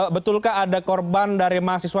betulkah ada korban dari mahasiswa